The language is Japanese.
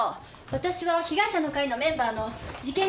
私は被害者の会のメンバーの事件